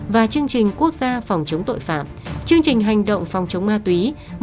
và chương trình quốc gia phòng chống tội phạm chương trình hành động phòng chống ma túy